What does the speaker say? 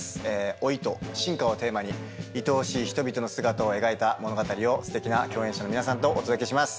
老いと進化をテーマにいとおしい人々の姿を描いた物語をステキな共演者の皆さんとお届けします。